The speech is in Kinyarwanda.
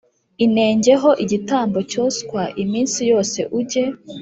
Inenge ho igitambo cyoswa iminsi yose ujye